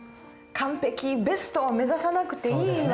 完璧ベストを目指さなくていい訳ですか。